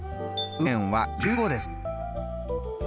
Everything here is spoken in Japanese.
右辺は１５です。